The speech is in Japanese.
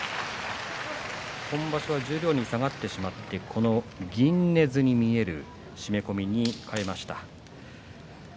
今場所、十両に下がってしまって銀ねずに見える締め込みに替えました。